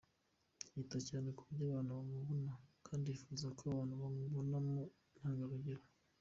Yita cyane ku buryo abantu bamubona kandi yifuza ko abantu bamubonamo intangarugero.